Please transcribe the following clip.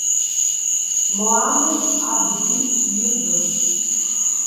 Mohamed Abdi Yusuf